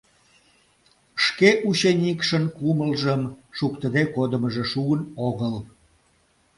Шке ученикшын кумылжым шуктыде кодымыжо шуын огыл.